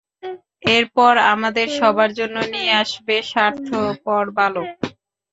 এরপর আমাদের সবার জন্য নিয়ে আসবে, স্বার্থপর বালক।